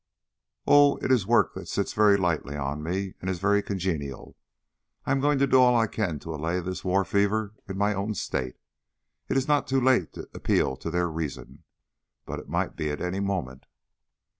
"Oh, it is work that sits very lightly on me, and is very congenial: I am going to do all I can to allay this war fever in my own State. It is not too late to appeal to their reason; but it might be at any moment."